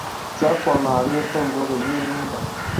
kyakwong ageer tom kogeeny eng yundo